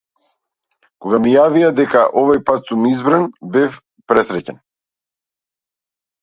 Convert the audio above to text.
Кога ми јавија дека овој пат сум избран, бев пресреќен.